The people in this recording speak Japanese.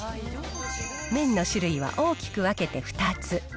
麺の種類は大きく分けて２つ。